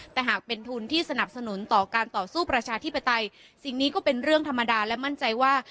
แต่หากเป็นทุนที่สนับสนุนต่อการต่อสู้ประชาธิปไตยสิ่งนี้ก็เป็นเรื่องธรรมดาและมั่นใจว่า